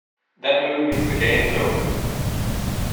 That move means the game is over.